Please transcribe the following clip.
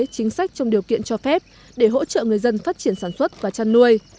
chính sách trong điều kiện cho phép để hỗ trợ người dân phát triển sản xuất và chăn nuôi